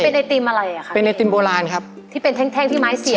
เป็นไอติมอะไรอ่ะคะเป็นไอติมโบราณครับที่เป็นแท่งแท่งที่ไม้เสีย